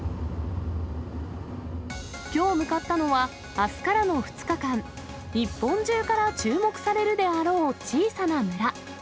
きょう向かったのは、あすからの２日間、日本中から注目されるであろう小さな村。